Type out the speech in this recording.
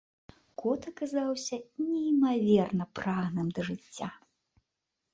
Кот аказаўся неймаверна прагным да жыцця.